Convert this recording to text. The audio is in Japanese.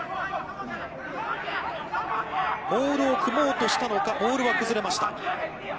モールを組もうとしたのか、モールは崩れました。